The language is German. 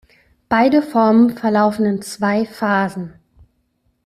Beide Formen verlaufen in zwei Phasen.